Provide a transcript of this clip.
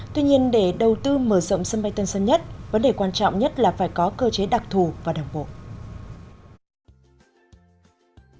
tuy nhiên để đầu tư mở rộng sân bay tân sơn nhất vấn đề quan trọng nhất là phải có cơ chế đặc thù và đồng bộ